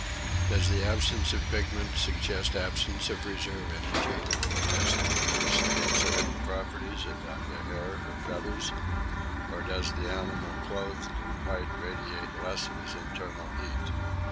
Does the absence of pigment suggest absence of reserve energy? Does it increase the insulating properties of the hair or feathers? Or does the animal clothed in white radiate less of his internal heat?